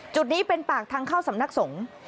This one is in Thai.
จุดนี้เป็นปากทางเข้าสำนักสงฆ์